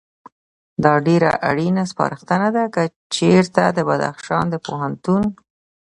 دا ډېره اړینه سپارښتنه ده، که چېرته د بدخشان د پوهنتون